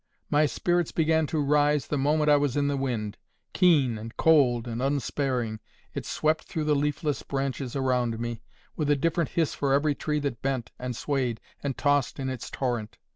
My spirits began to rise the moment I was in the wind. Keen, and cold, and unsparing, it swept through the leafless branches around me, with a different hiss for every tree that bent, and swayed, and tossed in its torrent.